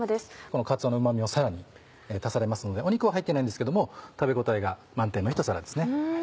このかつおのうま味もさらに足されますので肉は入ってないんですけども食べ応えが満点の１皿ですね。